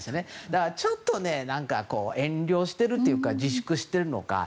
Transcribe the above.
だから、ちょっと遠慮というか自粛してるのか。